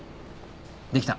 できた。